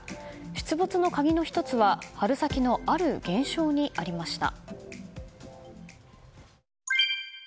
出没の鍵の１つは春先のある現象にありました。